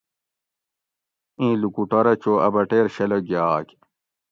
ایں لوکوٹورہ چو اۤ بٹیر شلہ گھیاگ